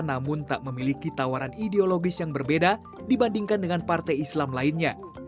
namun tak memiliki tawaran ideologis yang berbeda dibandingkan dengan partai islam lainnya